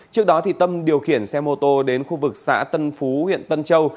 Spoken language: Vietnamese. trước đó tâm điều khiển xe mô tô đến khu vực xã tân phú huyện tân châu